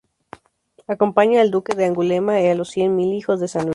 Acompaña al duque de Angulema y los Cien Mil Hijos de San Luis.